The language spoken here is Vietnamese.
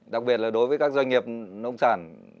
đặc biệt là đối với các doanh nghiệp nông sản